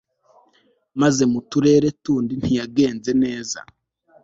ariko mu turere tundi ntiyagenze neza